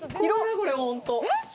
これ本当。